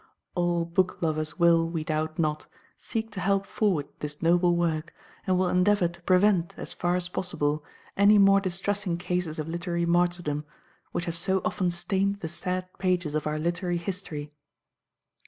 All book lovers will, we doubt not, seek to help forward this noble work, and will endeavour to prevent, as far as possible, any more distressing cases of literary martyrdom, which have so often stained the sad pages of our literary history.